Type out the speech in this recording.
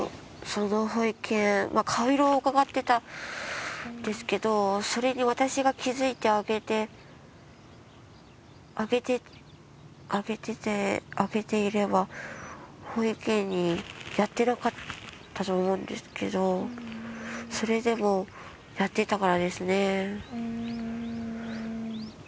その保育園顔色をうかがってたんですけどそれに私が気づいてあげてあげていれば保育園にやってなかったと思うんですけどそれでもやっていたからですね。